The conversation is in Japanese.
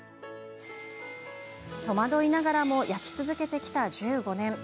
戸惑いながらも焼き続けてきた１５年。